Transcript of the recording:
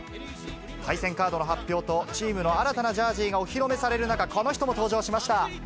対戦カードの発表と、チームの新たなジャージがお披露目される中、この人も登場しました。